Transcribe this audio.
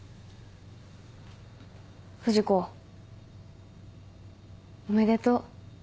不二子おめでとう。